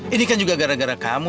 ini kan juga gara gara kamu